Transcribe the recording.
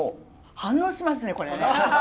反応しますねこれね。